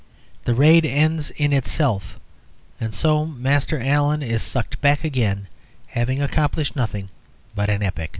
The raid ends in itself; and so Master Allen is sucked back again, having accomplished nothing but an epic.